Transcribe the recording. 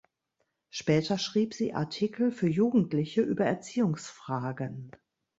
Später schrieb sie Artikel für Jugendliche über Erziehungsfragen.